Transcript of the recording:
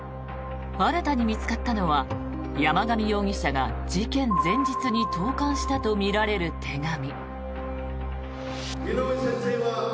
新たに見つかったのは山上容疑者が事件前日に投函したとみられる手紙。